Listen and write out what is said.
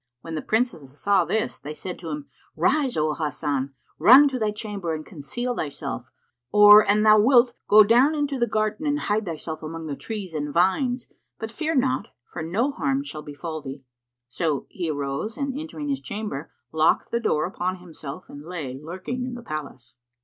When the Princesses saw this, they said to him, "Rise, O Hasan, run to thy chamber and conceal thyself; or an thou wilt, go down into the garden and hide thyself among the trees and vines; but fear not, for no harm shall befal thee." So he arose and entering his chamber, locked the door upon himself, and lay lurking in the palace.